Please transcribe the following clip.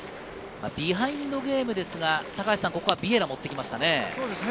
ビハインドゲームですが、ここはビエイラを持ってきましたね。